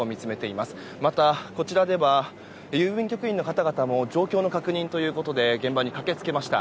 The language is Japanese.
また、こちらでは郵便局員の方々も状況の確認ということで現場に駆け付けました。